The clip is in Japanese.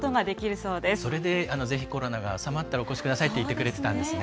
それでぜひコロナが収まったらお越しくださいって言ってくださってたんですね。